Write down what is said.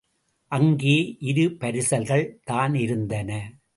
அங்கே இரு பரிசல்கள் தான் இருந்தன.